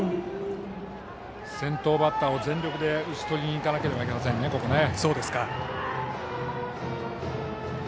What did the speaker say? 先頭バッターを全力で打ち取りにいかなければいけませんね。